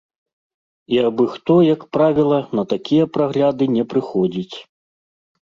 І абы-хто, як правіла, на такія прагляды не прыходзіць.